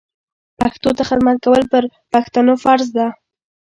پښتو ته خدمت کول پر پښتنو فرض ده